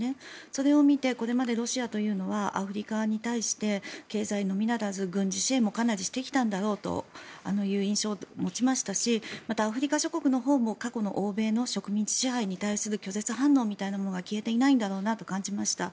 それを見てこれまでロシアというのはアフリカに対して経済のみならず軍事支援もかなりしてきたんだろうという印象を持ちましたしまた、アフリカ諸国のほうも過去の欧米の植民地支配に対する拒絶反応みたいのは消えていないんだろうなと感じました。